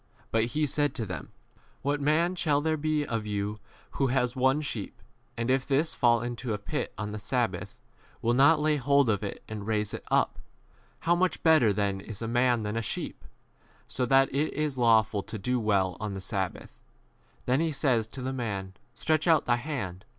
52, 'brings forth out of his trea said to them, What man shall there be of you who has one sheep, and if this fall into a pit on the sabbath, will not lay hold 12 of it and raise [it] up ? How much better then is a man than a sheep ! So that it is lawful to do 13 well on the sabbath. Then he says to the man, Stretch out thy hand.